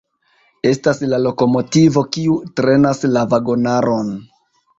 Estas la lokomotivo, kiu trenas la vagonaron.